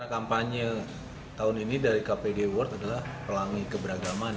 kampanye tahun ini dari kpd world adalah pelangi keberagaman